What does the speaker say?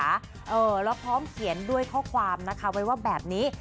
เออแล้วพร้อมเขียนด้วยข้อความนะคะไว้ว่าแบบนี้